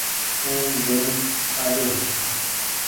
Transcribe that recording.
اين لين آجو ۔